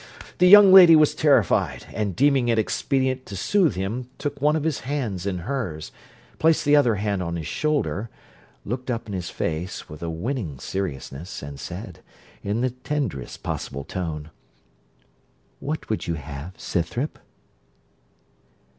The young lady was terrified; and, deeming it expedient to soothe him, took one of his hands in hers, placed the other hand on his shoulder, looked up in his face with a winning seriousness, and said, in the tenderest possible tone, 'What would you have, Scythrop?'